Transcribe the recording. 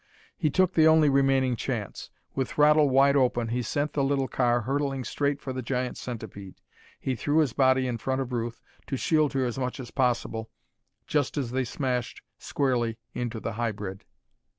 He took the only remaining chance. With throttle wide open he sent the little car hurtling straight for the giant centipede. He threw his body in front of Ruth, to shield her as much as possible, just as they smashed squarely into the hybrid.